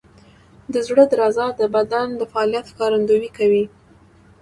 د زړه درزا د بدن د فعالیت ښکارندویي کوي.